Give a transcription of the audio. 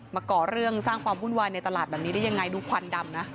ก่อเรื่องสร้างความวุ่นวายในตลาดแบบนี้ได้ยังไงดูควันดำนะ